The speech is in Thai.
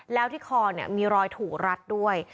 แล้วที่คอมีรอยถูกรัดด้วย